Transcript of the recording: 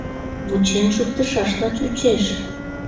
Вучен шуктышашла чучеш.